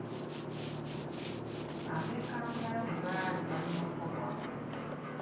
Ab'e Kampala be baali balina okukolwako.